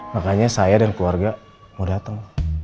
makanya saya dan keluarga mau datang